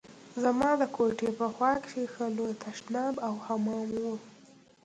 زما د کوټې په خوا کښې ښه لوى تشناب او حمام و.